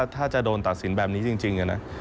ถ้าจะโดนตัดสินแบบนี้จริงนะ